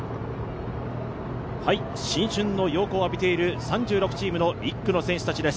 新春の陽光を浴びている３６チームの１区の選手たちです。